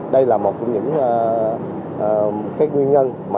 đây là một của những nguyên nhân